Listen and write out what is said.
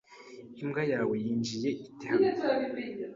Imbwa yawe yinjiye ite hano?